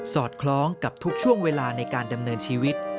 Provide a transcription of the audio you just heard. อดคล้องกับทุกช่วงเวลาในการดำเนินชีวิต